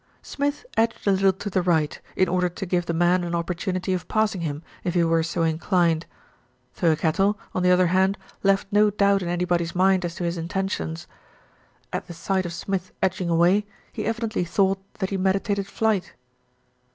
Smith edged a little to the right, in order to give the man an opportunity of passing him, if he were so in clined. Thirkettle, on the other hand, left no doubt in anybody's mind as to his intentions. At the sight of Smith edging away, he evidently thought that he meditated flight.